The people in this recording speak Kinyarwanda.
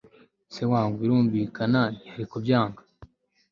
se wangu birumvikana ntiyari kubyanga